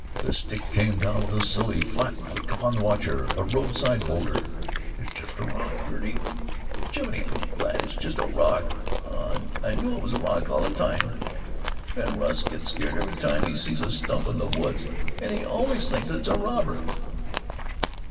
The stick came down with a silly, flat clack upon the watcher—a roadside boulder. "It's just a rock, Gertie! Jiminy, I'm glad! It's just a rock!... Aw, I knew it was a rock all the time! Ben Rusk gets scared every time he sees a stump in the woods, and he always thinks it's a robber."